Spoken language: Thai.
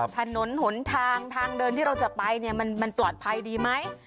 ถนนหนทางทางเดินที่เราจะไปเนี่ยมันปลอดภัยดีไหม